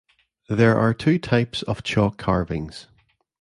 There are two types of chalk carvings.